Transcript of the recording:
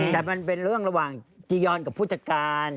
แต่มันเป็นเรื่องระหว่างจียอนกับผู้จัดการ